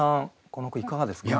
この句いかがですか？